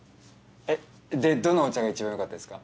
えっでどのお茶がいちばんよかったですか？